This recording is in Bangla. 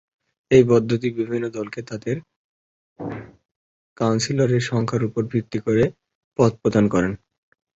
এই পদ্ধতি বিভিন্ন দলকে তাদের কাউন্সিলরের সংখ্যার উপর ভিত্তি করে পদ প্রদান করে।